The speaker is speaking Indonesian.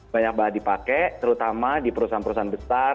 banyak banget dipakai terutama di perusahaan perusahaan besar